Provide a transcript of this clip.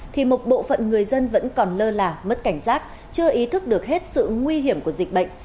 thì một bộ phận người dân vẫn còn lơ là mất cảnh giác chưa ý thức được hết sự nguy hiểm của dịch bệnh